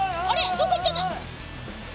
どっか行っちゃった。